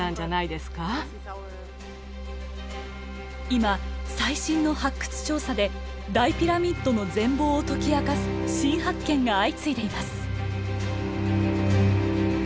今最新の発掘調査で大ピラミッドの全貌を解き明かす新発見が相次いでいます。